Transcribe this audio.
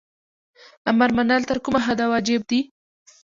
امر منل تر کومه حده واجب دي؟